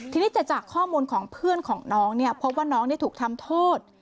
ทีนี้จากข้อมูลของเพื่อนของน้องเนี่ยพบว่าน้องถูกทำโทษ